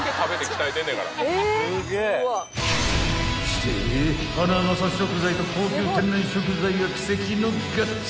［してハナマサ食材と高級天然食材が奇跡の合体］